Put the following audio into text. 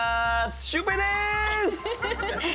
シュウペイです！